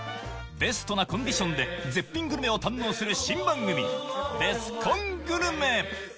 ベストなコンディションで絶品グルメを堪能する新番組「ベスコングルメ」。